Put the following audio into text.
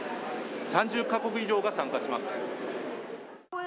３０か国以上が参加します。